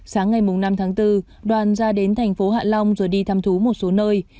sáng ngày năm tháng bốn đoàn ra đến thành phố hạ long rồi đi thăm thú một số nơi